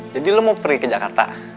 jadi lo mau pergi ke jakarta